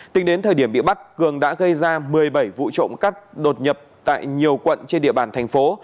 tính đến thời điểm bị bắt cường đã gây ra một mươi bảy vụ trộm cắp đột nhập tại nhiều quận trên địa bàn thành phố